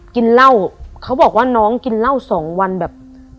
กินเหล้าเขาบอกว่าน้องกินเหล้าสองวันแบบ